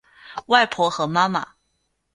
外婆和妈妈